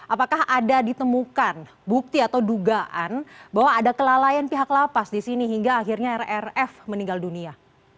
apakah ada ditemukan bukti atau dugaan bahwa ada kelalaian pihak lapas di sini hingga akhirnya rrf meninggal dunia